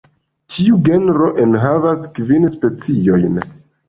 Tiu genro enhavas kvin speciojn.